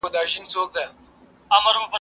همیشه د ټولنیز تعامل د واکمنۍ په لاره کې فکر کوم.